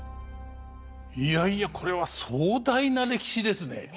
いやいやこれは壮大な歴史ですね。